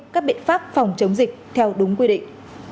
các biện pháp phòng chống dịch theo đúng quy định